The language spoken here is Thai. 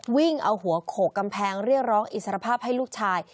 วิ่งเอาหัวโขกกำแพงเรียกร้องอิสรภาพให้ลูกชาย